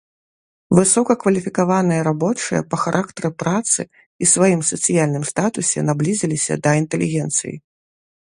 Высокакваліфікаваныя рабочыя па характары працы і сваім сацыяльным статусе наблізіліся да інтэлігенцыі.